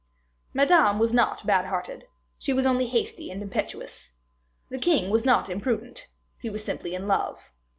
Madame was not bad hearted she was only hasty and impetuous. The king was not imprudent he was simply in love.